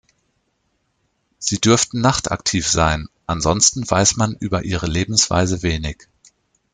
Sie dürften nachtaktiv sein, ansonsten weiß man über ihre Lebensweise wenig.